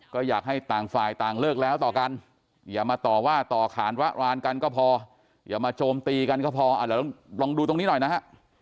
ก็อยากให้ต่างฝ่ายต่างเลิกแล้วต่อกันอย่ามาต่อว่าต่อขานวะรานกันก็พออย่ามาโจมตีกันก็พอแล้วลองดูตรงนี้หน่อยนะฮะ